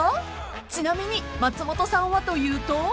［ちなみに松本さんはというと］